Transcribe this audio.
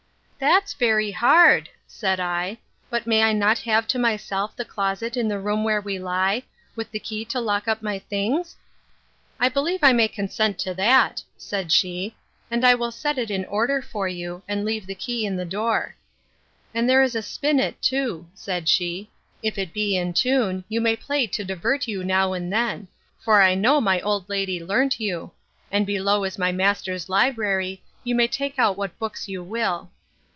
That's very hard, said I; but may I not have to myself the closet in the room where we lie, with the key to lock up my things? I believe I may consent to that, said she; and I will set it in order for you, and leave the key in the door. And there is a spinnet too, said she; if it be in tune, you may play to divert you now and then; for I know my old lady learnt you: And below is my master's library: you may take out what books you will.